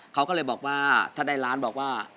เขาก็เลยบอกว่าถ้าได้ล้านบอกว่า